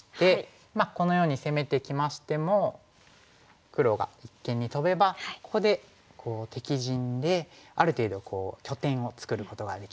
まあこのように攻めてきましても黒が一間にトベばここで敵陣である程度拠点を作ることができますよね。